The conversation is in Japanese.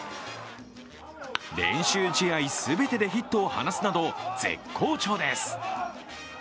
練習試合全てでヒットを放つなど絶好調です。